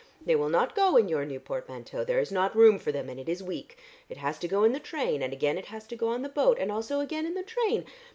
They will not go in your new portmanteau; there is not room for them, and it is weak. It has to go in the train, and again it has to go on the boat, and also again in the train.'